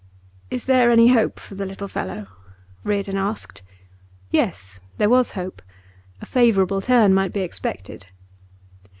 'Is there any hope for the little fellow?' Reardon asked. Yes, there was hope; a favourable turn might be expected.